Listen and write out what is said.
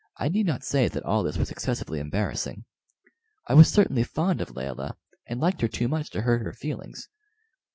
I need not say that all this was excessively embarrassing I was certainly fond of Layelah, and liked her too much to hurt her feelings.